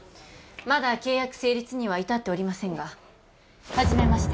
まだ契約成立には至っておりませんがはじめまして